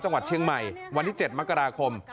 จังหวัดเชียงใหม่วันที่๗มกราคม